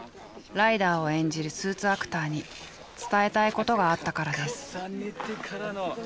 ライダーを演じるスーツアクターに伝えたいことがあったからです。